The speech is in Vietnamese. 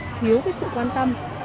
khiếu cái sự quan tâm